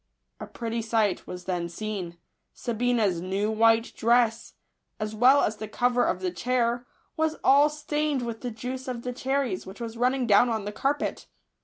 A pretty sight was then seen. Sabina's new white dress, as well as the cover of the chair, was all stained with the juice of the cherries, which was running down on the carpet.